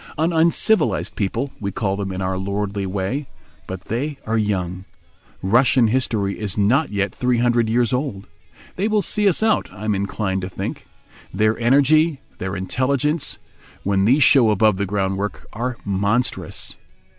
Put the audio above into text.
An uncivilised people, we call them in our lordly way, but they are young. Russian history is not yet three hundred years old. They will see us out, I am inclined to think. Their energy, their intelligence—when these show above the groundwork—are monstrous.